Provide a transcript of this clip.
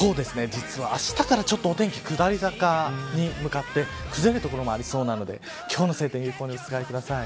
実は、あしたからお天気下り坂に向かって崩れる所もありそうなので今日のお天気を有効にお使いください。